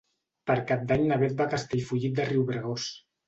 Per Cap d'Any na Beth va a Castellfollit de Riubregós.